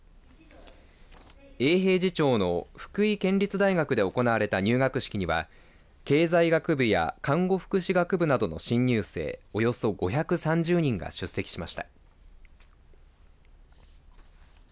永平寺町の福井県立大学で行われた入学式には経済学部や看護福祉学部などの新入生およそ５３０人が出席しました。